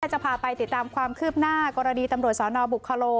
จะพาไปติดตามความคืบหน้ากรณีตำรวจสนบุคโล